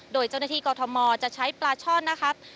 โดยเจ้าหน้าที่กรทมจะใช้ปลาช่อนนะคะ